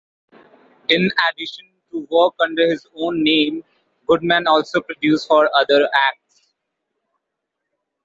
In addition to work under his own name, Goodman also produced for other acts.